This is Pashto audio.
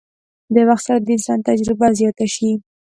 د وخت سره د انسان تجربه زياته شي